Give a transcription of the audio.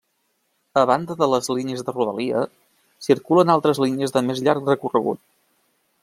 A banda de les línies de Rodalia, circulen altres línies de més llarg recorregut.